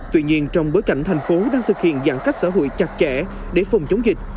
tuy nhiên trong bối cảnh thành phố đang thực hiện giãn cách xã hội chặt chẽ để phòng chống dịch